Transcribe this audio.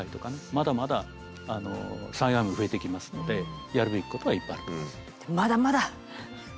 まだまだあの災害も増えてきますのでやるべきことはいっぱいあると思います。